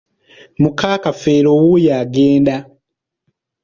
Muka Kafeero wuuyo agenda.